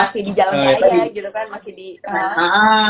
masih di jalan saya gitu kan masih di